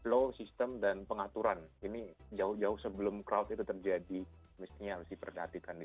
flow sistem dan pengaturan ini jauh jauh sebelum crowd itu terjadi misalnya harus diperhatikan di